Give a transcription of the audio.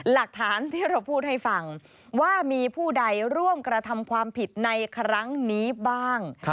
หลักฐานที่เราพูดให้ฟังว่ามีผู้ใดร่วมกระทำความผิดในครั้งนี้บ้าง